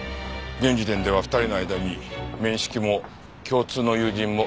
現時点では２人の間に面識も共通の友人も見つかっていない。